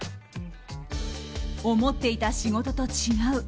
思っていた仕事と違う。